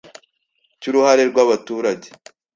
cy uruhare rw abaturage